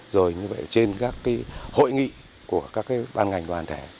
rồi như vậy trên các hội nghị của các ban ngành đoàn thẻ